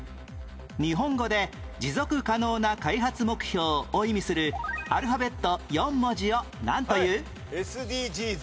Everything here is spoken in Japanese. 日本語で「持続可能な開発目標」を意味するアルファベット４文字をなんという？